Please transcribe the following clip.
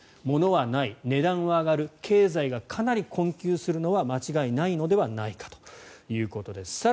物はない、値段は上がる経済がかなり困窮するのは間違いないのではないかということです。